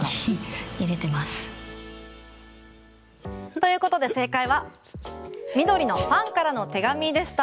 ということで正解は緑のファンからの手紙でした。